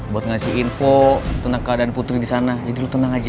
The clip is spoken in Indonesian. buat ngasih info tentang keadaan putri disana jadi lu tenang aja ya